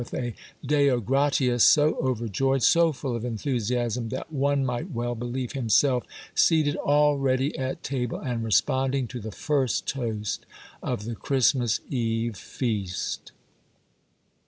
267 with a Deo gratias so overjoyed, so full of enthusi asm, that one might well believe himself seated already at table, and responding to the first toast of the Christmas eve feast.